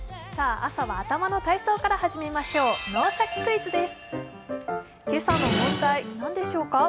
朝は頭の体操から始めましょう、「脳シャキ！クイズ」です。